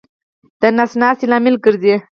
د نس ناستې لامل ګرځي.